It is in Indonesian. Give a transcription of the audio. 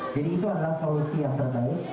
jadi itu adalah solusi yang terbaik